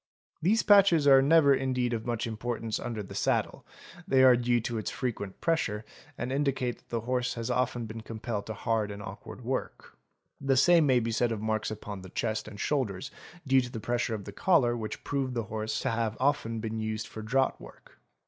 'These patches are never indeed of much importance under the saddle, they are due to its frequent pressure and indicate that the horse has often been compelled to hard and awkward work; the same may be said of marks upon the chest and shoulders due to the pressure of the collar which prove the horse to have often been used for draught work.